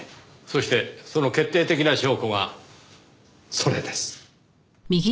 そしてその決定的な証拠がそれです。